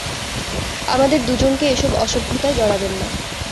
আমাদের দুজনকে এসব অসভ্যতায় জড়াবেন না।